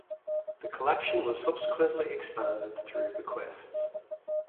The collection was subsequently expanded through bequests.